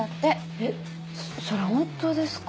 えっそれ本当ですか？